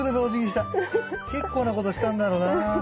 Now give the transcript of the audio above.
結構なことしたんだろうな。